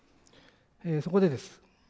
そこでです。